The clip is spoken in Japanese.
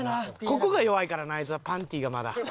ここが弱いからなあいつはパンティがまだ。